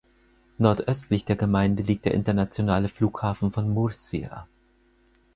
Nordöstlich der Gemeinde liegt der internationale Flughafen von Murcia.